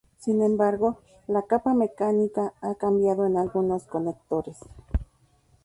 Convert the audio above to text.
Sin embargo, la capa mecánica ha cambiado en algunos conectores.